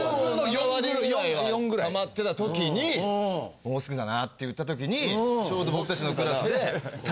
７割ぐらいは溜まってたときにもうすぐだなって言ったときにちょうど僕たちのクラスで。